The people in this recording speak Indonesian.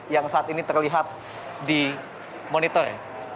yang saat ini terlihat di monitor